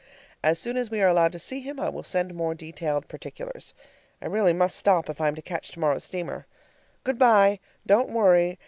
As soon as we are allowed to see him I will send more detailed particulars. I really must stop if I am to catch tomorrow's steamer. Good by. Don't worry.